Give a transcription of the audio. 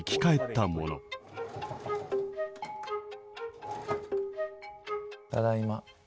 ただいま。